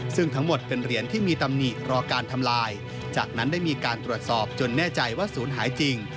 ซึ่งทั้งหมดเป็นเหรียญที่มีตำหนิรอการทำลายจากนั้นได้มีการตรวจสอบจนแน่ใจว่าศูนย์หายจริง